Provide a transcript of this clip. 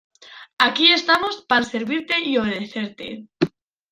Aquí estamos para servirte y obedecerte.